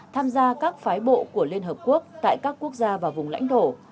tham gia các phái bộ của liên hợp quốc tại các quốc gia và vùng lãnh thổ